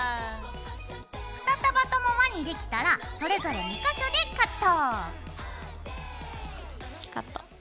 ２束とも輪にできたらそれぞれカット。